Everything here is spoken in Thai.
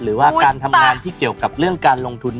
หรือว่าการทำงานที่เกี่ยวกับเรื่องการลงทุน